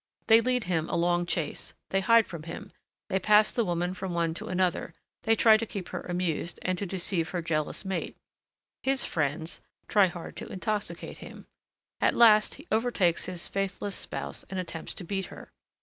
They lead him a long chase, they hide from him, they pass the woman from one to another, they try to keep her amused, and to deceive her jealous mate. His friends try hard to intoxicate him. At last, he overtakes his faithless spouse and attempts to beat her.